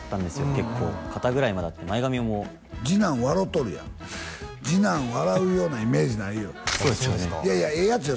結構肩ぐらいまであって前髪も次男笑うとるやん次男笑うようなイメージないよいやええやつよ